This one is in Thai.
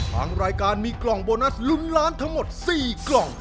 ทางรายการมีกล่องโบนัสลุ้นล้านทั้งหมด๔กล่อง